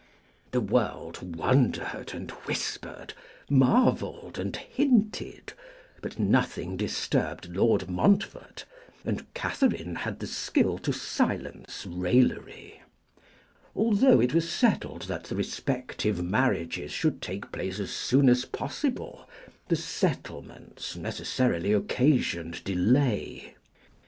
The world wondered and whispered, marvelled and hinted, but nothing disturbed Lord Montfort, and Katherine had the skill to silence raillery. Although it was settled that the respective marriages should take place as soon as possible, the settlements necessarily occasioned delay.